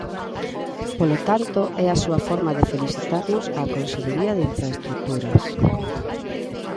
Polo tanto, é a súa forma de felicitarnos á Consellería de Infraestruturas.